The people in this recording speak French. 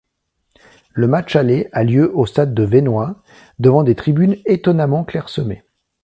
Le match aller a lieu au stade de Venoix, devant des tribunes étonnamment clairsemées.